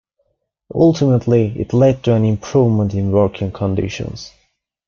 Ultimately it led to an improvement in working conditions.